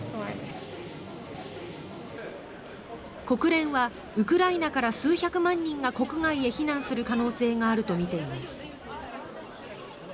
国連はウクライナから数百万人が国外へ避難する可能性があるとみています。